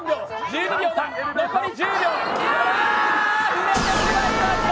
触れてしまいました！